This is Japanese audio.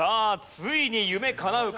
ついに夢かなうか？